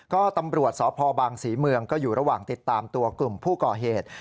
ก็ตำรวจสพบางศรีเมืองก็อยู่ระหว่างติดตามตัวกลุ่มผู้ก่อเหตุ